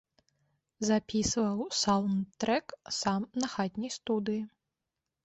Запісваў саўнд-трэк сам на хатняй студыі.